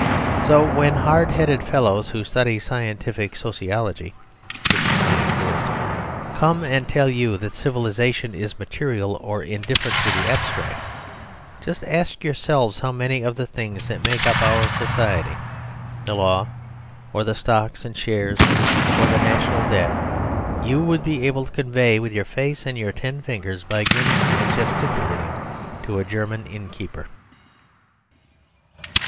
So when hard headed fellows who study scientific sociology (which does not exist) come and tell you that civilisation is material or indifferent to the abstract, just ask yourselves how many of the things that make up our Society, the Law, or the Stocks and Shares, or the National Debt, you would be able to convey with your face and your ten fingers by grinning and gesticulating to a German innkeeper.